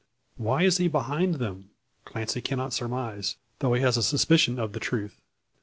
Why he is behind them, Clancy cannot surmise; though he has a suspicion of the truth.